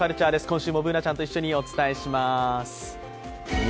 今週もＢｏｏｎａちゃんと一緒にお伝えします。